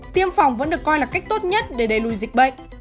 tiêm phòng vẫn được coi là cách tốt nhất để đẩy lùi dịch bệnh